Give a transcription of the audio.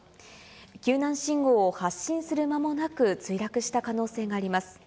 救難信号を発信するまもなく墜落した可能性があります。